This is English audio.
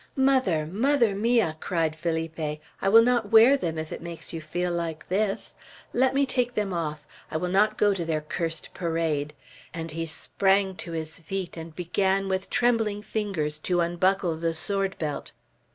"Mother, mother mia," cried Felipe, "I will not wear them if it makes you feel like this! Let me take them off. I will not go to their cursed parade;" and he sprang to his feet, and began with trembling fingers to unbuckle the sword belt.